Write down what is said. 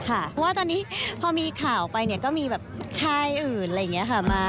เพราะว่าตอนนี้พอมีข่าวไปก็มีแบบค่ายอื่นอะไรอย่างนี้ค่ะ